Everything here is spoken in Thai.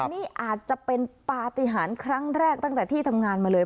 นี่อาจจะเป็นปฏิหารครั้งแรกตั้งแต่ที่ทำงานมาเลย